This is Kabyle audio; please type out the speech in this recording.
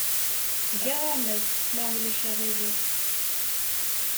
Seg-a a Mass, ma ulac aɣilif.